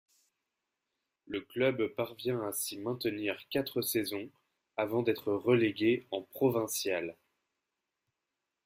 Le club parvient à s'y maintenir quatre saisons avant d'être relégué en provinciales.